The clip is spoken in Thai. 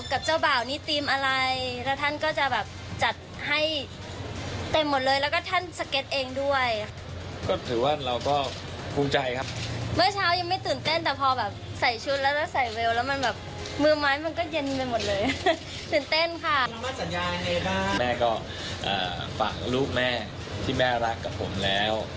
ค่อยต้องฝากลูกแม่ที่แม่รักกับผมแล้ว